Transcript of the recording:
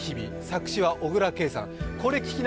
作詞は小椋佳さん。